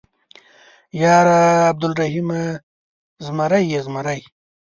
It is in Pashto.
_ياره عبرالرحيمه ، زمری يې زمری.